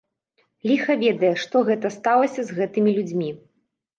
Ліха ведае што гэта сталася з гэтымі людзьмі.